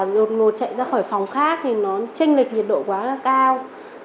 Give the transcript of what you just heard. rồi ngồi chạy ra khỏi phòng khác thì nó chênh lệch nhiệt độ quá cao